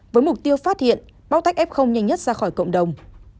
với mục tiêu phát hiện bóc tách f nhanh nhất ra khỏi cộng đồng